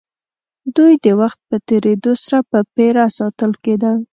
دوی د وخت په تېرېدو سره په پېره ساتل کېدل.